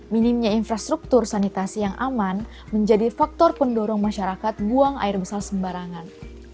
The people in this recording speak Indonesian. minimnya infrastruktur sanitasi yang aman menjadi faktor pendorong masyarakat buang air besar sembarangan